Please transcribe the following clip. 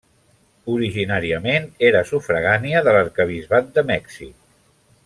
Originàriament era sufragània de l'arquebisbat de Mèxic.